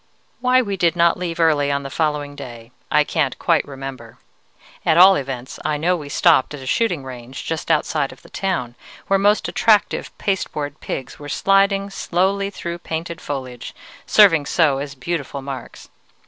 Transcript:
"Why we did not leave early on the following day, I can't quite remember; at all events, I know we stopped at a shooting range just outside of the town, where most attractive pasteboard pigs were sliding slowly through painted foliage, serving so as beautiful marks.